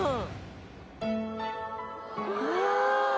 うわ！